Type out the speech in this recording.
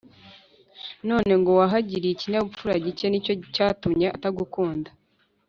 none ngo wahagiriye ikinyabupfura gike, ni cyo cyatumye atagukunda’.